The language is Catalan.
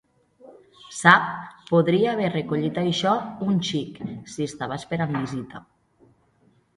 Sap, podria haver recollit això un xic si estava esperant visita.